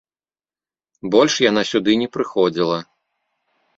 Больш яна сюды не прыходзіла.